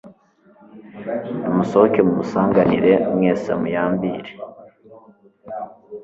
nimusohoke mumusanganire mwese mu yambire